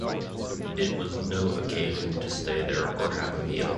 It was no occasion to stay there or have a meal.